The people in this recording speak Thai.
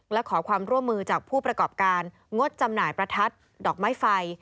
และขอความร่วมมือจากผู้ประกอบการงดจำหน่ายประทัดดอกไม้ไฟ